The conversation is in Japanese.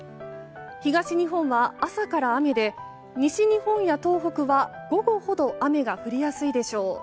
東日本は朝から雨で西日本や東北は午後ほど雨が降りやすいでしょう。